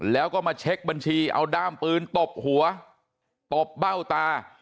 แล้วก็มาเช็คบัญชีเอาด้ามปืนตบหัวตบเบ้าตา